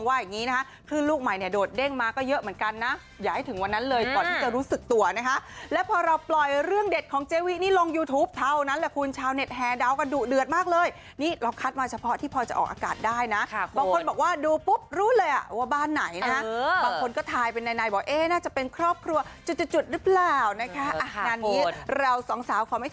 จะเป็นครอบครัวจุดหรือเปล่าอาหารนี้เราสองสาวขอให้ถ่ายต่อละกันนะครับ